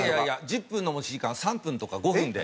１０分の持ち時間３分とか５分で。